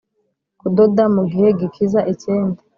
kudoda mugihe gikiza icyenda